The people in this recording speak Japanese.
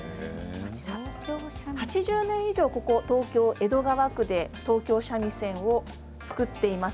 こちら８０年以上ここ東京・江戸川区で東京三味線を作っています